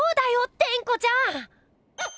テンコちゃん！